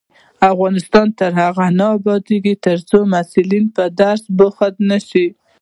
افغانستان تر هغو نه ابادیږي، ترڅو محصلین په درس بوخت نشي.